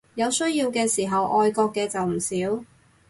有需要嘅時候愛國嘅就唔少